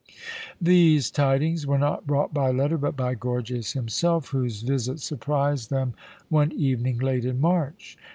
These tidings were not brought by letter, but by Gorgias himself, whose visit surprised them one evening late in March.